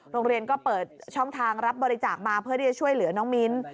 โรงเรียนก็เปิดช่องทางรับบริจาคมาเพื่อที่จะช่วยเหลือน้องมิ้น